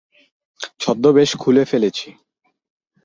ছদ্মবেশ খুলে ফেলেছি!